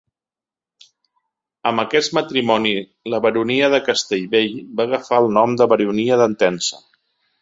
Amb aquest matrimoni la baronia de Castellvell va agafar el nom de baronia d'Entença.